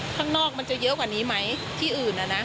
ข้างนอกมันจะเยอะกว่านี้ไหมที่อื่นนะนะ